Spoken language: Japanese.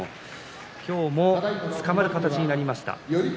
今日もつかまる形になりました。